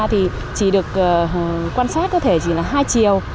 thì chỉ được quan sát có thể chỉ là hai chiều